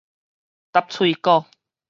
答喙鼓